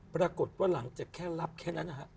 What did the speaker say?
ปรากฏว่าหลังจากแค่รับแค่นั้นนะฮะ